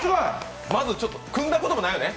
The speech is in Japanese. まず、組んだこともないよね？